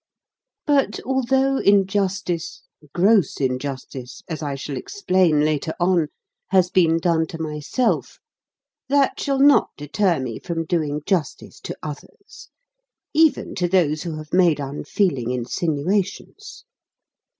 But although injustice gross injustice, as I shall explain later on has been done to myself, that shall not deter me from doing justice to others; even to those who have made unfeeling insinuations.